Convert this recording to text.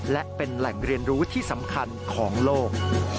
และเป็นแหล่งเรียนรู้ที่สำคัญของโลก